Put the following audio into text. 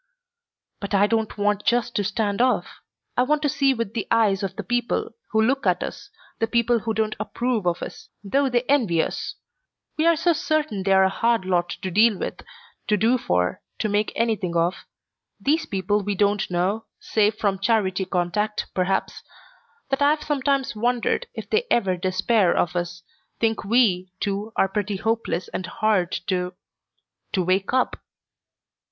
"But I don't want just to stand off. I want to see with the eyes of the people who look at us, the people who don't approve of us, though they envy us. We're so certain they're a hard lot to deal with, to do for, to make anything of these people we don't know save from charity contact, perhaps, that I've sometimes wondered if they ever despair of us, think we, too, are pretty hopeless and hard to to wake up."